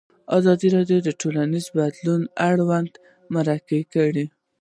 ازادي راډیو د ټولنیز بدلون اړوند مرکې کړي.